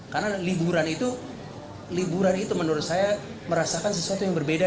karena liburan itu liburan itu menurut saya merasakan sesuatu yang berbeda